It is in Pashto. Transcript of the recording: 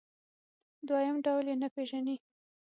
دویم ډول یې نه پېژني.